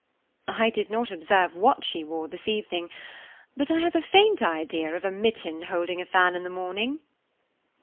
"I did not observe what she wore this evening; but I have a faint idea of a mitten holding a fan in the morning."